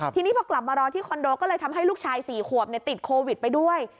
ทีนี้พอกลับมารอที่คอนโดก็เลยทำให้ลูกชาย๔ขวบติดโควิดไปด้วย